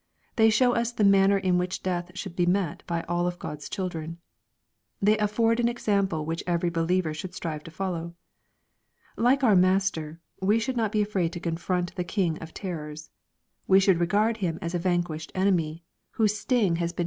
They show us the manner in which death should be met by all God's children. They afford an example which every believer should strive to follow. Like our Master, we should not be afraid to confront the king of terrors. We should regard him as a vanquished enemy, whose sting has been LUKE, CHAP.